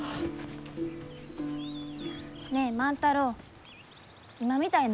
ねえ万太郎今みたいながやめや。